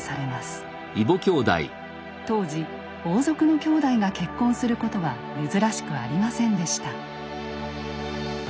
当時王族のきょうだいが結婚することは珍しくありませんでした。